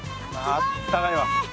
あったかいねえ。